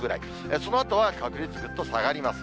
そのあとは確率、ぐっと下がります。